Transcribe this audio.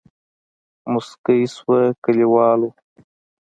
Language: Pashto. موسکۍ شوه کليوال وو.